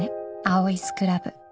青いスクラブ。